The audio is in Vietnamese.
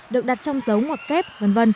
được đặt trong dấu ngoặc kép v v